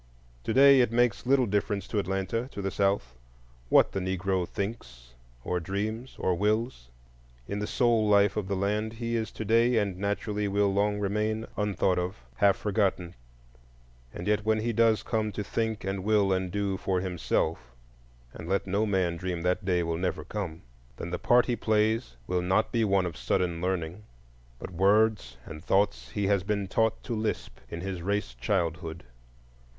Today it makes little difference to Atlanta, to the South, what the Negro thinks or dreams or wills. In the soul life of the land he is to day, and naturally will long remain, unthought of, half forgotten; and yet when he does come to think and will and do for himself,—and let no man dream that day will never come,—then the part he plays will not be one of sudden learning, but words and thoughts he has been taught to lisp in his race childhood.